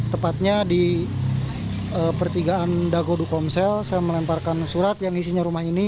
tepatnya di pertigaan dago dukomsel saya melemparkan surat yang isinya rumah ini